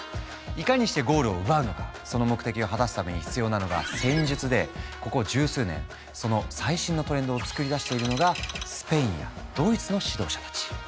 その目的を果たすために必要なのが戦術でここ十数年その最新のトレンドを作り出しているのがスペインやドイツの指導者たち。